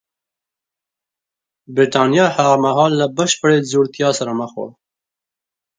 برېټانیا هغه مهال له بشپړې ځوړتیا سره مخ وه